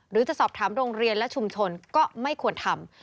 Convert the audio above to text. หรือจะสอบถามโรงเรียนและชุมชนก็ไม่ควรทำ